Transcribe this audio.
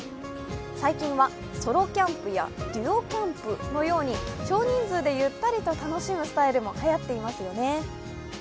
最近はソロキャンプやデュオキャンプのように少人数でゆったりと楽しむスタイルもはやっていますよね。